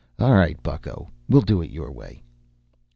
"All right, bucko, we'll do it your way."